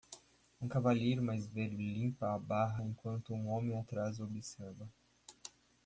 Um cavalheiro mais velho limpa a barra enquanto um homem atrás observa.